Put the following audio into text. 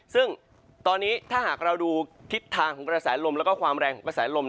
ซึ่งตอนนี้ถ้าหากเราดูทิศทางของกระแสลมแล้วก็ความแรงของกระแสลม